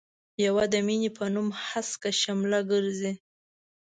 يو د مينې په نوم هسکه شمله ګرزي.